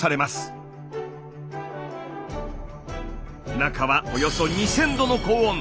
中はおよそ２，０００度の高温。